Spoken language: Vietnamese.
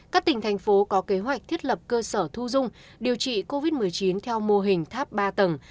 các tỉnh thành phố có kế hoạch thiết lập cơ sở thu dung điều trị covid một mươi chín theo mô hình tháp ba tầng